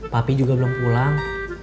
papi juga belum pulang